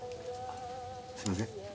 すいません。